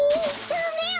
ダメよ！